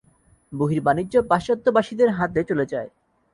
বহির্বাণিজ্য পাশ্চাত্যবাসীদের হাতে চলে যায়।